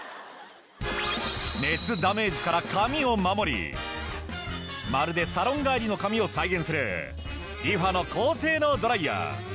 熱ダメージから髪を守りまるでサロン帰りの髪を再現するリファの高性能ドライヤー。